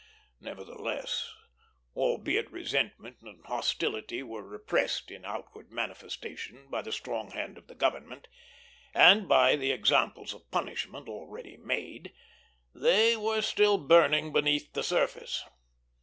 Nevertheless, albeit resentment and hostility were repressed in outward manifestation by the strong hand of the government, and by the examples of punishment already made, they were still burning beneath the surface.